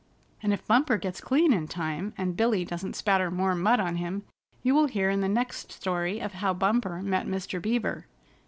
And if Bumper gets clean in time, and Billy doesn't spatter more mud on him, you will hear in the next story of how Bumper met Mr. Beaver.